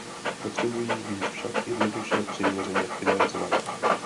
Potřebují být však jednoduše přiměřeně financované.